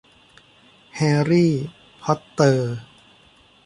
แฮร์รี่ พอตเตอร์